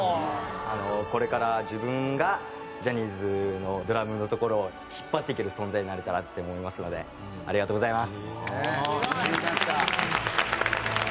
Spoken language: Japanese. これから自分がジャニーズのドラムのところを引っ張っていける存在になれたらって思いますのでありがとうございます。